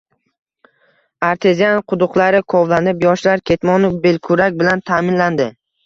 Artezian quduqlari kovlanib, yoshlar ketmonu belkurak bilan ta’minlandi.